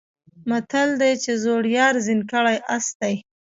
متل دی چې زوړ یار زین کړی آس دی.